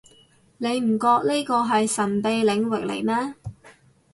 你唔覺呢個係神秘領域嚟咩